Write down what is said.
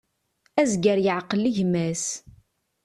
Azger yeεqel gma-s.